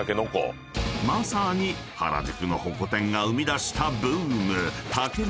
［まさに原宿のホコ天が生み出したブーム］